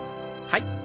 はい。